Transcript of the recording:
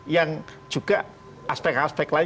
yang juga aspek aspek lain